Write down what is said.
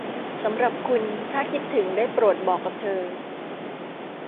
สำหรับคุณถ้าคิดถึงได้โปรดบอกกับเธอ